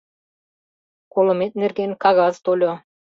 — Колымет нерген кагаз тольо.